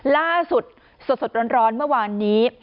ล่าสุดสดร้อนเมื่อวานนี้